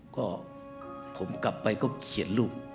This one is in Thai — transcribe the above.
ก็ผมกลับไปก็เขียนรูป